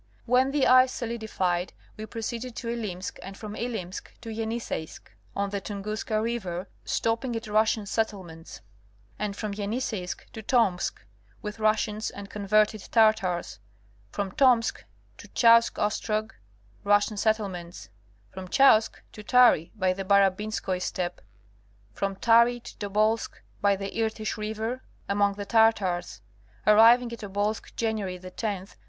When the ice solidified we proceeded to Ilimsk and from Ilimsk to Yeniseisk on the Tunguska river, stopping at Russian settlements ; and from Yeniseisk to Tomsk with Russians and converted Tartars ; from Tomsk to Chausk Ostrog, Russian settlements; from Chausk to Tari by the Barabinskoi steppe ; from Tari to Tobolsk by the Irtish river among the Tartars ; ar riving at Tobolsk January 10,1730.